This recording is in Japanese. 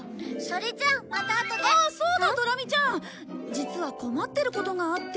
実は困ってることがあって。